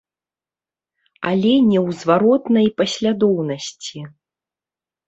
Але не ў зваротнай паслядоўнасці.